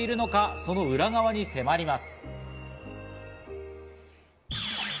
その裏側に迫ります。